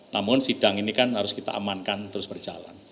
namun sidang ini kan harus kita amankan terus berjalan